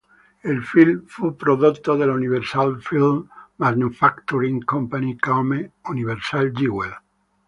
Il film fu prodotto dalla Universal Film Manufacturing Company come Universal Jewel.